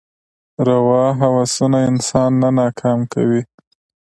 روا هوسونه انسان نه ناکام کوي.